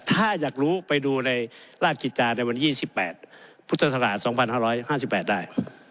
ถ้าอยากรู้ไปดูในราชกิจจาในวันยี่สิบแปดพุทธศาสตร์สองพันห้าร้อยห้าสิบแปดได้